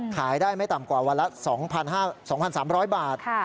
ขายได้ไม่ต่ำกว่าวันละ๒๓๐๐บาท